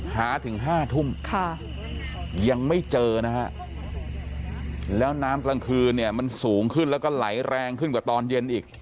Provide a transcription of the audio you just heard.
ถึง๕ทุ่มยังไม่เจอนะฮะแล้วน้ำกลางคืนเนี่ยมันสูงขึ้นแล้วก็ไหลแรงขึ้นกว่าตอนเย็นอีก